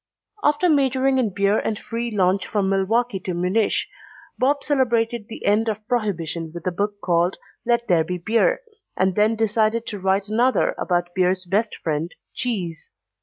After majoring in beer and free lunch from Milwaukee to Munich, Bob celebrated the end of Prohibition with a book called Let There Be Beer! and then decided to write another about Beer's best friend, Cheese.